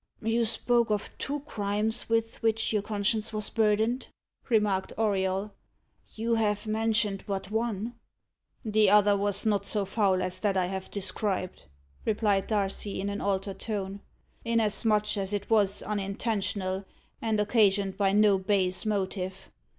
"You spoke of two crimes with which your conscience was burdened," remarked Auriol. "You have mentioned but one." "The other was not so foul as that I have described," replied Darcy, in an altered tone, "inasmuch as it was unintentional, and occasioned by no base motive.